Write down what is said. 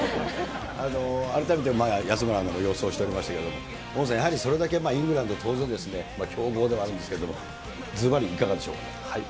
改めて安村アナが予想しておりましたけれども、大野さん、やはりそれだけイングランド、当然強豪ではあるんですけれども、ずばり、いかがでしょうか。